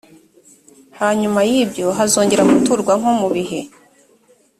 hanyuma y ibyo hazongera guturwa nko mu bihe